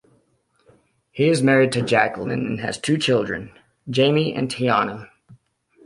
He is married to Jacqueline and has two children, Jaimee and Tiahna.